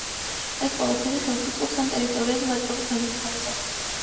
ეს ყველაფერი ხელს უწყობს ამ ტერიტორიაზე ვაჭრობის განვითარებას.